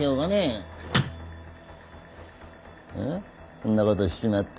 そんなことをしちまって。